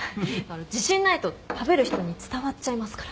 自信ないと食べる人に伝わっちゃいますから。